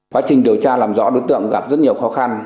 quá trình điều tra làm rõ đối tượng gặp rất nhiều khó khăn